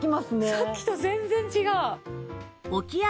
さっきと全然違う。